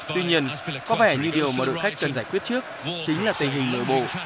tuy nhiên có vẻ như điều mà đội khách cần giải quyết trước chính là tình hình nội bộ